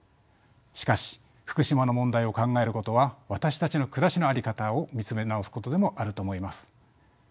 しかし福島の問題を考えることは私たちの暮らしの在り方を見つめ直すことでもあると思います。